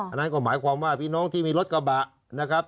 อันนั้นก็หมายความว่าพี่น้องที่มีรถกระบะนะครับ